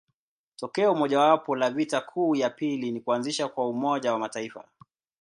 Tokeo mojawapo la vita kuu ya pili ni kuanzishwa kwa Umoja wa Mataifa.